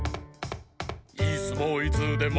「いすもいつでも」